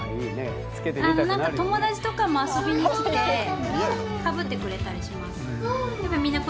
友達とかも遊びに来てかぶってくれたりします。